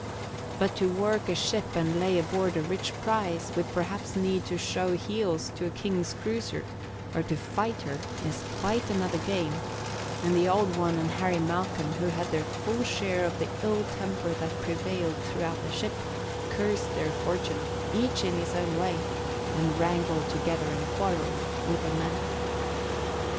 But to work a ship and lay aboard a rich prize, with perhaps need to show heels to a King's cruiser or to fight her, is quite another game; and the Old One and Harry Malcolm, who had their full share of the ill temper that prevailed throughout the ship, cursed their fortune, each in his own way, and wrangled together and quarrelled with the men.